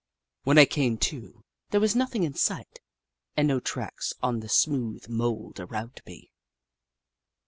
When I came to, there was nothing in sight, and no tracks on the smooth mould around me.